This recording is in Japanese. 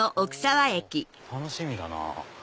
楽しみだなぁ。